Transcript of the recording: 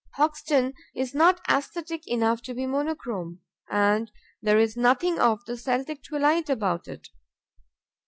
Hoxton is not aesthetic enough to be monochrome; and there is nothing of the Celtic twilight about it.